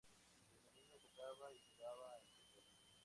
Desde niño cantaba y jugaba al fútbol.